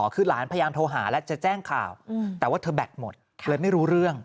คือหลานพยายามโทรหาแล้วจะแจ้งข่าวแต่ว่าเธอแบตหมดเลยไม่รู้เรื่อง